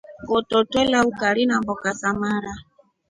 Ngoto twelya ukari namboka za mara.